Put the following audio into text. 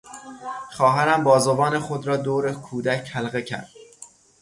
خواهرم بازوان خود را دور کودک حلقه کرد.